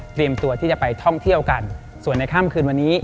เตรียมตัวที่จะไปท่องเที่ยวกันส่วนในข้ามคืนวันนี้